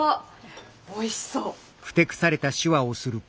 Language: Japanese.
おいしそう！